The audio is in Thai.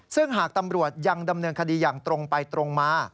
ซึ่งหากตำรวจยังดำเนินคดีอย่างตรงไปตรงมา